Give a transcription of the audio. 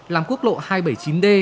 làm quốc lộ hai trăm bảy mươi chín d